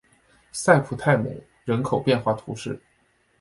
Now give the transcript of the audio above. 塞普泰姆人口变化图示